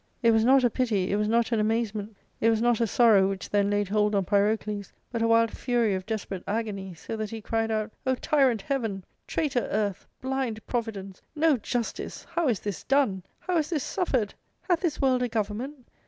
It was not a pity, it was not an amazement, it was not a sorrow which then laid hold on Pyrocles, but a wild fury of desperate agony ; so that he cried out, O tyrant heaven ! traitor earth ! blind providence ! no justice ! how is this done? how is this suffered ? Hath this world a government